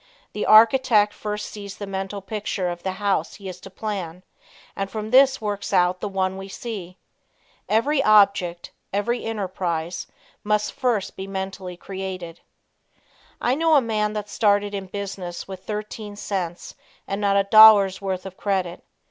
The architect first sees the mental picture of the house he is to plan and from this works out the one we see. Every object, every enterprise, must first be mentally created. I know a man that started in business with thirteen cents and not a dollar's worth of credit.